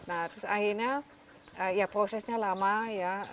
nah terus akhirnya ya prosesnya lama ya